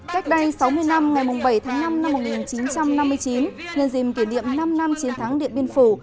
cách đây sáu mươi năm ngày bảy tháng năm năm một nghìn chín trăm năm mươi chín nhân dìm kỷ niệm năm năm chiến thắng điện biên phủ